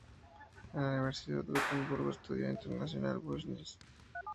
En la Universidad de Gotemburgo estudió International Business.